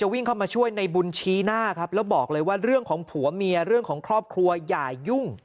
วิ่งเข้ามาช่วยในบุญชี้หน้าครับแล้วบอกเลยว่าเรื่องของผัวเมียเรื่องของครอบครัวอย่ายุ่ง